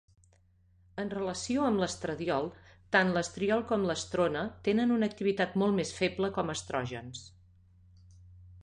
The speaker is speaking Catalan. En relació amb l'estradiol, tant l'estriol com l'estrona tenen una activitat molt més feble com a estrògens.